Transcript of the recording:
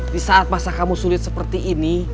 di saat masa kamu sulit seperti ini